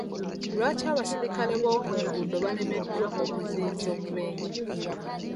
Lwaki abaserikale b'oku nguudo balemeddwa okuziyiza obubenje?